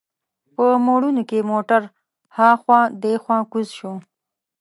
په موړونو کې موټر هاخوا دیخوا کوږ شو.